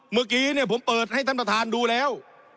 เมื่อกี้เนี่ยผมเปิดให้ท่านประธานดูแล้ว